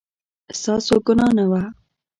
ستاسو ګناه نه وه